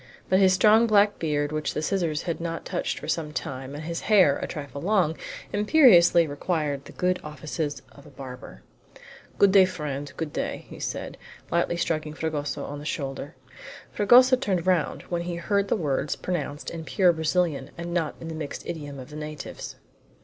But his strong black beard, which the scissors had not touched for some time, and his hair, a trifle long, imperiously required the good offices of a barber. "Good day, friend, good day!" said he, lightly striking Fragoso on the shoulder. Fragoso turned round when he heard the words pronounced in pure Brazilian, and not in the mixed idiom of the natives.